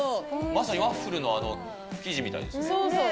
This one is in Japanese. まさにワッフルの生地みたいですね。